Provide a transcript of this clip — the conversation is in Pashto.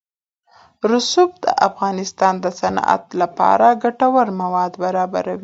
رسوب د افغانستان د صنعت لپاره ګټور مواد برابروي.